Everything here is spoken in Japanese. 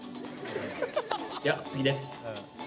では次です。